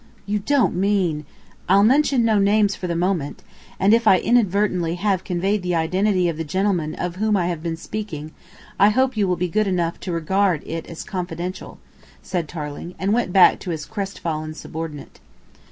"You don't mean ?" "I'll mention no names for the moment, and if inadvertently I have conveyed the identity of the gentleman of whom I have been speaking, I hope you will be good enough to regard it as confidential," said Tarling, and went back to his crestfallen subordinate.